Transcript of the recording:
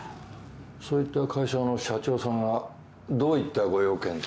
そういった会社の社長さんがどういったご用件で？